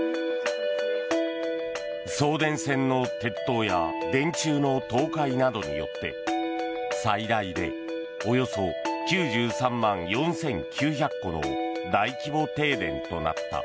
送電線の鉄塔や電柱の倒壊などによって最大でおよそ９３万４９００戸の大規模停電となった。